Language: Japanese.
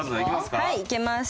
はいいけます。